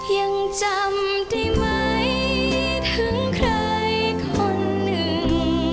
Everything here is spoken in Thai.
ยังจำได้ไหมถึงใครคนหนึ่ง